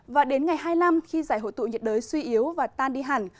và đến ngày hai mươi năm khi giải hội tụ nhiệt đới suy yếu và tan đi hẳn